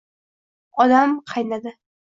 Odam.. qaynadi!